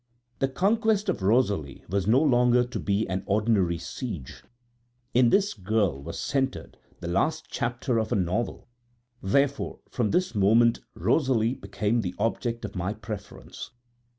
The conquest of Rosalie was no longer to be an ordinary siege in this girl was centered the last chapter of a novel, therefore from this moment Rosalie became the object of my preference.